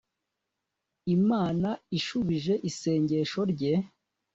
imana ishubije isengesho rye